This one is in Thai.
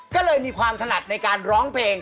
ก็เลยมีความถนัดในการร้องเพลง